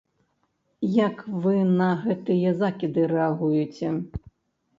Як вы на гэтыя закіды рэагуеце?